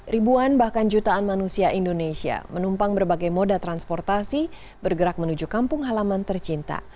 ribuan bahkan jutaan manusia indonesia menumpang berbagai moda transportasi bergerak menuju kampung halaman tercinta